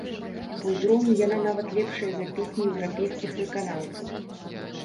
Па ўзроўні яна нават лепшая за песні еўрапейскіх выканаўцаў.